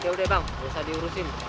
yaudah bang gak usah diurusin